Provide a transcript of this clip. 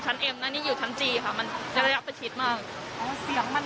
ดังเหมือนอยู่ข้างเลยค่ะมันดังมาก